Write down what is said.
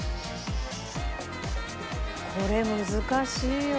これ難しいよ。